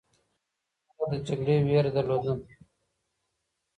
خلک د جګړې ویره درلوده.